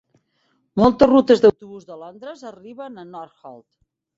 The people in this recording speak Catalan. Moltes rutes d'autobús de Londres arriben a Northolt.